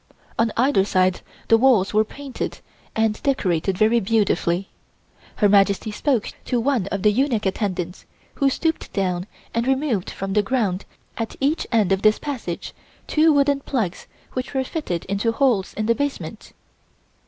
On either side the walls were painted and decorated very beautifully. Her Majesty spoke to one of the eunuch attendants, who stooped down and removed from the ground at each end of this passage two wooden plugs which were fitted into holes in the basement.